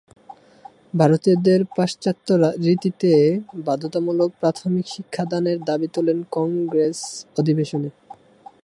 ভারতীয়দের পাশ্চাত্য রীতিতে বাধ্যতামূলক প্রাথমিক শিক্ষাদানের দাবী তোলেন কংগ্রেস অধিবেশনে।